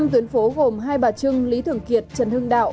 năm tuyến phố gồm hai bà trưng lý thường kiệt trần hưng đạo